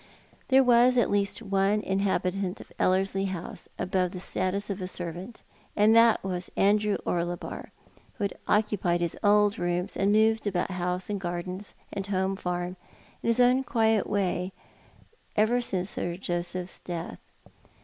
There was at least one inhabitant of Ellerslie House above the status of a servant, and that was Andrew Orlebar, who had oornpicd his old rooms and moved about house and gardens and home farm in his old quiet way ever since Sir Joseph's death.